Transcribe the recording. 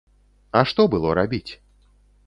А што было рабіць?